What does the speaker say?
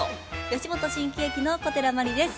吉本新喜劇の小寺真理です。